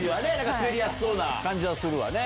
滑りやすそうな感じはするわ。